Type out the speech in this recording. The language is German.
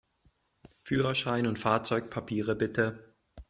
Führerschein und Fahrzeugpapiere, bitte!